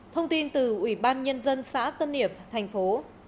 thông tin từ ủy ban nhân dân xã tân hiệp thành phố